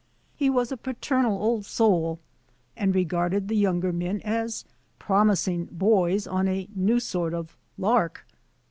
He was a paternal old soul and re garded the younger men as promising boys on a new sort of lark.